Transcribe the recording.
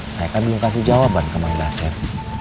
saya kan belum kasih jawaban ke mandaset